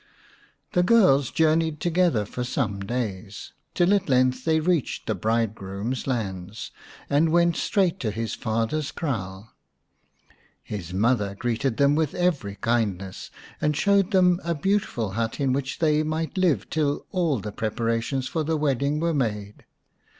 The girls journeyed together for some days, 213 , The Enchanted Buck xvm till at length they reached the bridegroom's lands, and went straight to his father's kraal. His mother greeted them with every kindness, and showed them a beautiful hut in which they might live till all the preparations for the wedding were made.